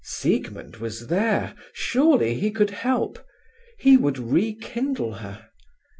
Siegmund was there. Surely he could help? He would rekindle her.